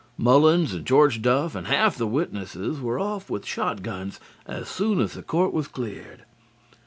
Mullins and George Duff and half the witnesses were off with shotguns as soon as the court was cleared.